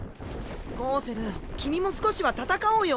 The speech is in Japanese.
ゴウセル君も少しは戦おうよ。